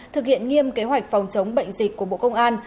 thực hiện nghiêm kế hoạch phòng chống bệnh dịch của bộ công an